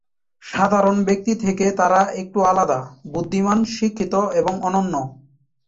সাধারণ ব্যক্তি থেকে তারা একটু আলাদা, বুদ্ধিমান, শিক্ষিত এবং অনন্য।